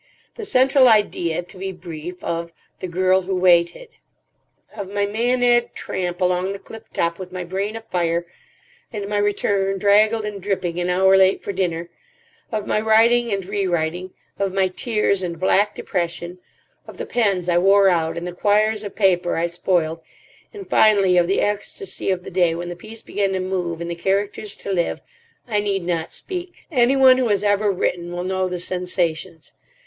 The central idea, to be brief, of The Girl who Waited. Of my Maenad tramp along the cliff top with my brain afire, and my return, draggled and dripping, an hour late for dinner; of my writing and re writing, of my tears and black depression, of the pens I wore out and the quires of paper I spoiled, and finally of the ecstasy of the day when the piece began to move and the characters to live, I need not speak. Anyone who has ever written will know the sensations.